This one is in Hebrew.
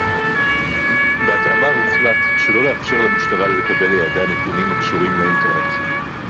בהתאמה הוחלט שלא לאפשר למשטרה לקבל לידיה נתונים הקשורים לאינטרנט